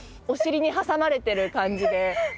お尻に挟まれてる感じで。